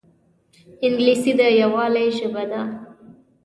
انګلیسي د یووالي ژبه ده